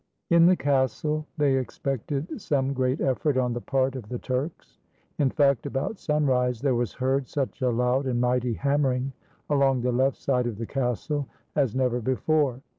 ] In the castle they expected some great efifort on the part of the Turks, In fact, about sunrise there was heard such a loud and mighty hammering along the left side of the castle as never before.